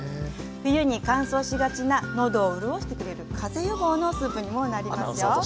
冬に乾燥しがちな喉を潤してくれる風邪予防のスープにもなりますよ。